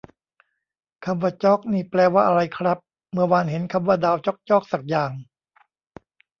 คำว่าจ๊อกนี่แปลว่าอะไรครับ เมื่อวานเห็นคำว่าดาวจ๊อกจ๊อกสักอย่าง